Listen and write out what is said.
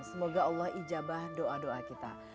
semoga allah ijabah doa doa kita